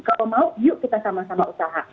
kalau mau yuk kita sama sama usaha